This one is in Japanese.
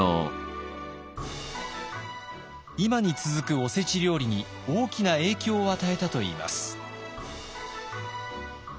今に続くおせち料理に大きな影響を与えたといいます。